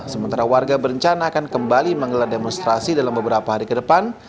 sementara warga berencana akan kembali menggelar demonstrasi dalam beberapa hari ke depan